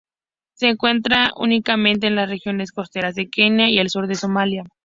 Se encuentra únicamente en las regiones costeras de Kenia y el sur de Somalia.